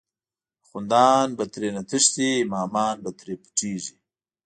اخوندان به ترینه تښتی، امامان به تری پټیږی